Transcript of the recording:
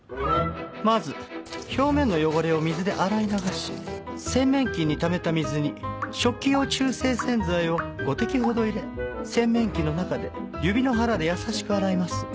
まず表面の汚れを水で洗い流し洗面器にためた水に食器用中性洗剤を５滴ほど入れ洗面器の中で指の腹で優しく洗います。